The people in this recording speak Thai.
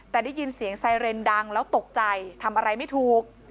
แต่ได้ยินเสียงไซเรนดังแล้วตกใจทำอะไรไม่ถูก